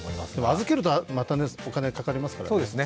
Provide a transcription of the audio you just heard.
預けるとまたお金かかりますからね。